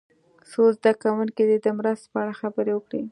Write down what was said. څو زده کوونکي دې د مرستې په اړه خبرې وکړي.